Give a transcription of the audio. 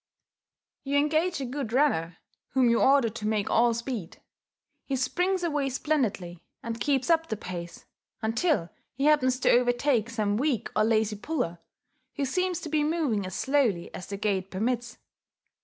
You engage a good runner, whom you order to make all speed: he springs away splendidly, and keeps up the pace until he happens to overtake some weak or lazy puller, who seems to be moving as slowly as the gait permits.